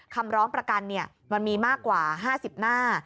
คำร้องประกันมันมีมากกว่า๕๐หน้า